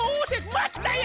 まったや！